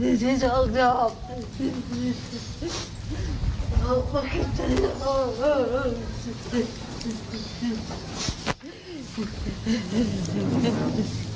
นี่ออกมาขึ้นเกินละออก